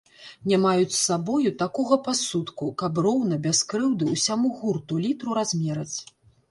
Не маюць з сабою такога пасудку, каб роўна, без крыўды ўсяму гурту літру размераць.